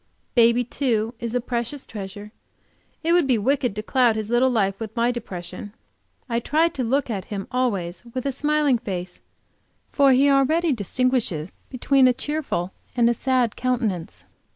Baby, too, is a precious treasure; it would be wicked to cloud his little life with my depression. I try to look at him always with a smiling face, for he already distinguishes between a cheerful and a sad countenance.